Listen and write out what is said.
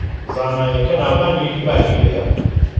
زانایەکە ناوبانگێکی باشی هەیە